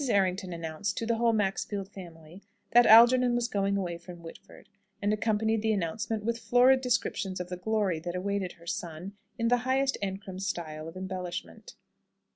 Errington announced to the whole Maxfield family that Algernon was going away from Whitford, and accompanied the announcement with florid descriptions of the glory that awaited her son, in the highest Ancram style of embellishment.